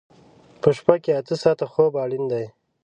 په شپه کې اته ساعته خوب اړین دی.